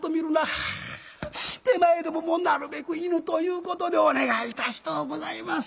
「は手前どももなるべく犬ということでお願いいたしとうございます」。